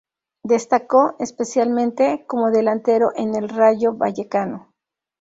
Destacó, especialmente, como delantero en el Rayo Vallecano.